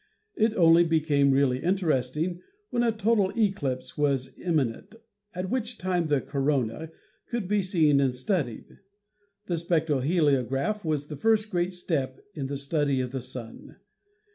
It only became really interesting when a total eclipse was immi nent, at which time the corona could be seen and studied. The spectroheliograph was the first great step in the study of the Sun.